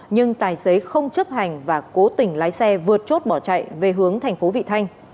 nhưng tài xế không chấp hành và cố tình lái xe vượt chốt bỏ chạy về hướng thành phố vị thanh